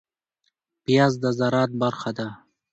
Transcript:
پياز د زراعت برخه ده